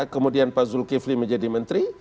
kemudian pak zulkifli menjadi menteri